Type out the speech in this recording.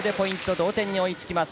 同点に追いつきます。